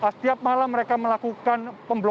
setiap malam mereka melakukan pemblosan